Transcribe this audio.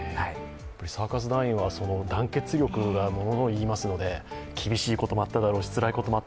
サーカス団員は団結力がものを言いますので厳しいこともあっただろうしつらいこともあっ